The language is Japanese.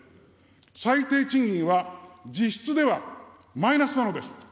最低賃金は実質ではマイナスなのです。